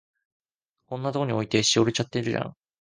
こんなとこに置いて、しおれちゃってるじゃん。